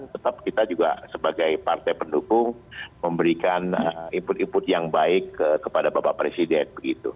tetap kita juga sebagai partai pendukung memberikan input input yang baik kepada bapak presiden